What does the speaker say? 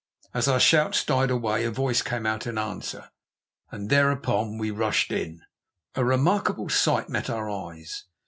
As our shouts died away a voice came out in answer, and thereupon we rushed in. A remarkable sight met our eyes.